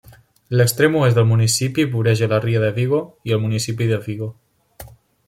L'extrem Oest del municipi voreja la Ria de Vigo i el municipi de Vigo.